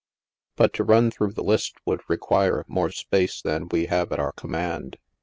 But to run through the list would require more space thau we have ait our com mand.